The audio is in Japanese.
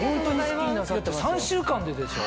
３週間ででしょ？